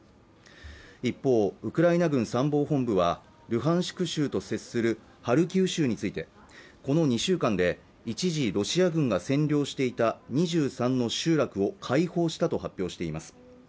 一方ウクライナ軍参謀本部はルハンシク州と接するハルキウ州についてこの２週間で一時ロシア軍が占領していた２３の集落を解放したと発表しています